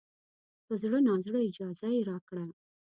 په زړه نازړه اجازه یې راکړه.